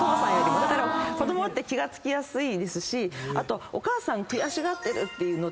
だから子供って気が付きやすいですしあとお母さん悔しがってるっていうのって